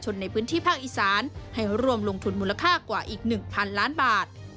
ให้ร่วมลงทุนมูลค่ากว่าอีก๑พันล้านบาท